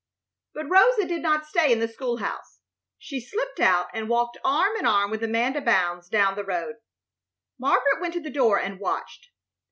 But Rosa did not stay in the school house. She slipped out and walked arm in arm with Amanda Bounds down the road. Margaret went to the door and watched.